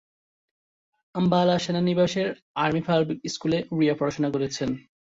আম্বালা সেনানিবাসের 'army public স্কুলে' রিয়া পড়াশোনা করেছেন।